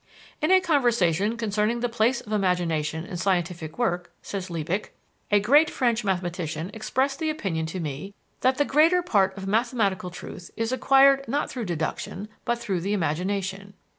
"In a conversation concerning the place of imagination in scientific work," says Liebig, "a great French mathematician expressed the opinion to me that the greater part of mathematical truth is acquired not through deduction, but through the imagination.